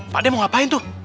pakde mau ngapain tuh